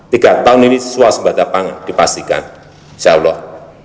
tiga tahun ini suasembata pangan dipastikan insyaallah